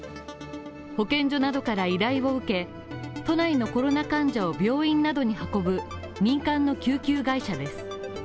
保健所などから依頼を受け、都内のコロナ患者を病院などに運ぶ民間の救急会社です。